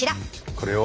これを。